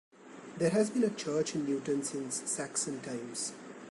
There has been a church in Newton since Saxon times.